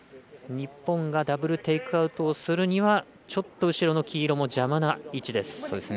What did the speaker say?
日本がダブル・テイクアウトをするにはちょっと後ろの黄色も邪魔な位置です。